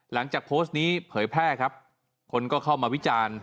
หลังจากโพสต์นี้เผยแพร่ครับคนก็เข้ามาวิจารณ์